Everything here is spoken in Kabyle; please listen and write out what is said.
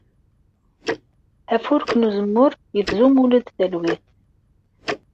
Afurk n uzemmur yettzumul-d talwit.